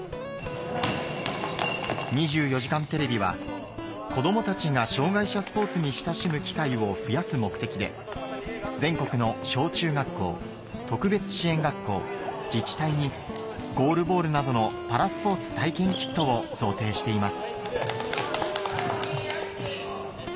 『２４時間テレビ』は子どもたちが障がい者スポーツに親しむ機会を増やす目的で全国の小・中学校特別支援学校自治体にゴールボールなどのパラスポーツ体験キットを贈呈しています